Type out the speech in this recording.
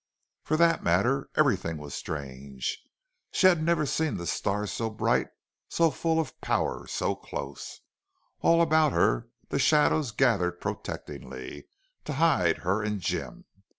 For that matter, everything was strange. She had never seen the stars so bright, so full of power, so close. All about her the shadows gathered protectingly, to hide her and Jim.